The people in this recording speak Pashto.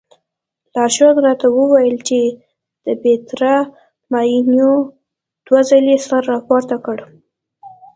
لارښود راته وویل چې د پیترا ماڼیو دوه ځلې سر راپورته کړی.